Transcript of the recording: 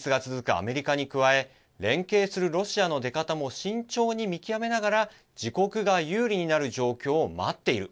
アメリカに加え連携するロシアの出方も慎重に見極めながら自国が有利になる状況を待っている。